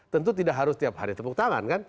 tentu tidak harus tiap hari tepuk tangan kan